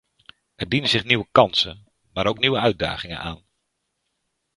Er dienen zich nieuwe kansen, maar ook nieuwe uitdagingen aan.